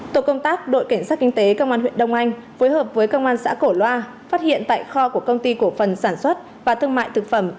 tổ công tác đội cảnh sát kinh tế công an huyện đông anh phối hợp với công an xã cổ loa phát hiện tại kho của công ty cổ phần sản xuất và thương mại thực phẩm